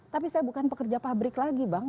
tapi saya bukan pekerja pabrik lagi bang